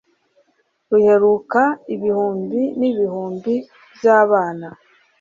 ruheruka Ibihumbi nibihumbi byabana